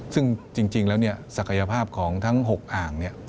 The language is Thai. ซึ่งจริงแล้วเนี่ยศักยภาพของทั้ง๖อ่างเนี่ย